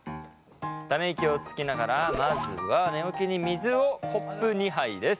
ため息をつきながらまずは寝起きに水をコップ２杯です！